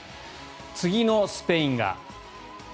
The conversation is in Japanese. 次のスペインが９５％。